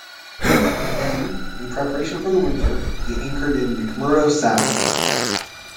Then, in preparation for the winter, he anchored in McMurdo Sound.